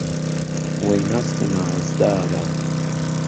وهی ناسک و نازدارە